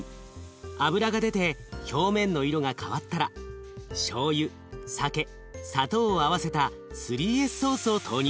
脂が出て表面の色が変わったらしょうゆ酒砂糖を合わせた３Ｓソースを投入。